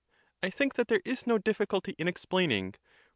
I think that there is no difficulty in explaining, for Cmtyius.